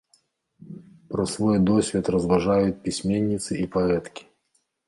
Пра свой досвед разважаюць пісьменніцы і паэткі.